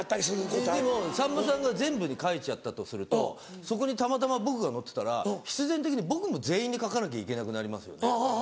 でもさんまさんが全部に書いちゃったとするとそこにたまたま僕が乗ってたら必然的に僕も全員に書かなきゃいけなくなりますよね。